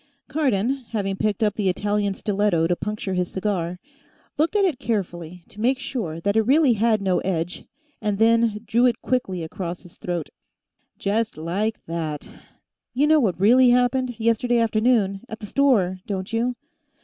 Cardon, having picked up the Italian stiletto to puncture his cigar, looked at it carefully to make sure that it really had no edge, and then drew it quickly across his throat. "Just like that. You know what really happened, yesterday afternoon, at the store, don't you?"